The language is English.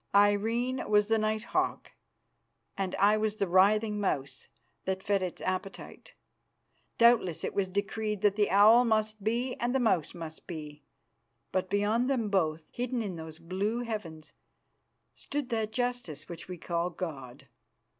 Irene was the night hawk, and I was the writhing mouse that fed its appetite. Doubtless it was decreed that the owl must be and the mouse must be, but beyond them both, hidden in those blue heavens, stood that Justice which we call God.